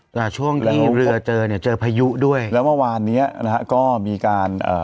แต่ช่วงที่เรือเจอเนี้ยเจอพายุด้วยแล้วเมื่อวานเนี้ยนะฮะก็มีการเอ่อ